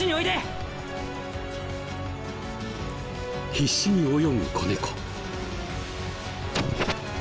必死に泳ぐ子猫。